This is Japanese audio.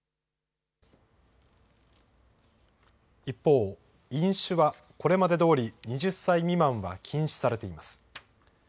一方、飲酒はこれまでどおり、２０歳未満は禁止されています。